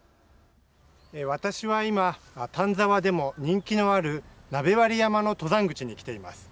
私は今、丹沢でも人気のある鍋割山の登山口に来ています。